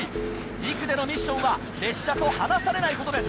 ２区でのミッションは列車と離されないことです。